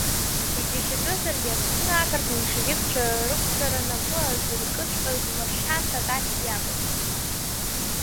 Иџьашьатәызаргьы, Аԥсны ақырҭ меншевикцәа рықәцара напы азыркыҵәҟьаз Маршьан Таташь иакәын.